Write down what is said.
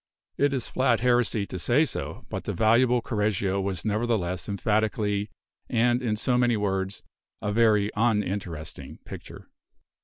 It is flat heresy to say so, but the valuable Correggio was nevertheless emphatically, and, in so many words, a very uninteresting picture.